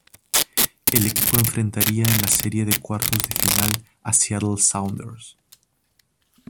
El equipo enfrentaría en la serie de cuartos de final a Seattle Sounders.